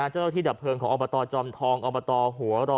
เจ้าหน้าที่ดับเพลิงของอบตจอมทองอบตหัวรอ